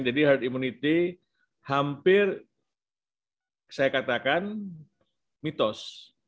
jadi herd immunity hampir saya katakan mitos